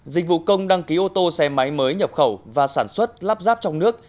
dịch vụ công đăng ký ô tô xe máy mới nhập khẩu và sản xuất lắp ráp trong nước